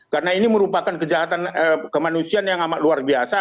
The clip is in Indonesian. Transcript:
karena ini merupakan kejahatan kemanusiaan yang amat luar biasa